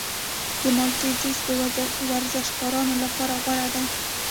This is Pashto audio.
د مالټې جوس د ورزشکارانو لپاره غوره دی.